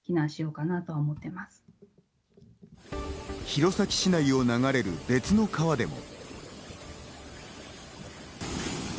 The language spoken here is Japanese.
弘前市内を流れる別の川でも。